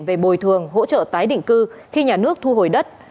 về bồi thường hỗ trợ tái định cư khi nhà nước thu hồi đất